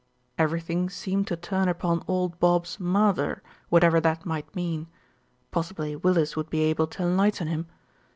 Everything seemed to turn upon old Bob's mawther, whatever that might mean. Possibly Willis would be able to enlighten him.